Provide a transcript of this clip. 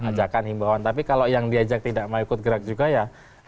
ajakan himbawan tapi kalau yang diajak tidak mau ikut gerak juga ya